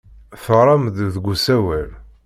Teɣram-d deg usawal.